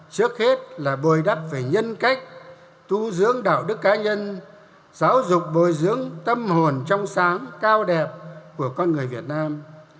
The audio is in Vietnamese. trước hết là bồi đắp về nhân cách tu dưỡng đạo đức cá nhân giáo dục bồi dưỡng tâm hồn trong sáng cao đẹp của con người việt nam